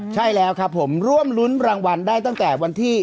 ใช่แล้วครับผมร่วมรุ้นรางวัลได้ตั้งแต่วันที่